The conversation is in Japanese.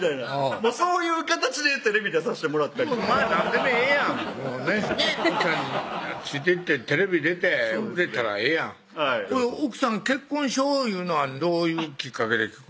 そういう形でテレビ出さしてもらったりとか何でもええやんもうねねっ奥さんについていってテレビ出て売れたらええやんはい奥さん結婚しよういうのはどういうきっかけで結婚したんですか？